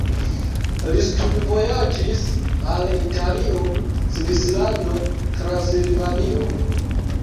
Li studvojaĝis al Italio, Svislando, Transilvanio.